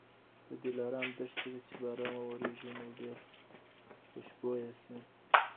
د دلارام دښتې ته چي باران وورېږي نو ډېر خوشبویه سي.